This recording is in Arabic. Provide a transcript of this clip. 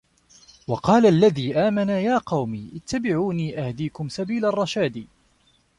وَقالَ الَّذي آمَنَ يا قَومِ اتَّبِعونِ أَهدِكُم سَبيلَ الرَّشادِ